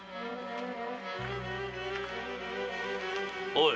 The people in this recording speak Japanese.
おい。